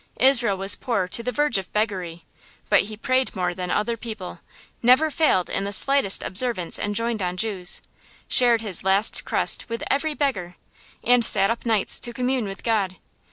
Israel was poor to the verge of beggary, but he prayed more than other people, never failed in the slightest observance enjoined on Jews, shared his last crust with every chance beggar, and sat up nights to commune with God.